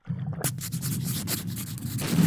ده په بدل کې کرېپټو پيسې ترلاسه کړې وې.